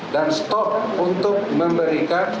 dan stop untuk memberikan